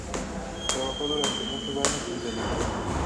Trabajó durante muchos años en televisión.